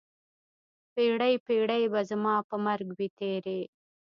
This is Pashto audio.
پیړۍ، پیړۍ به زما په مرګ وي تېرې